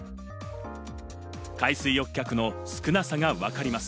海水浴客の少なさがわかります。